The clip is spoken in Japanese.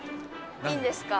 いいんですか？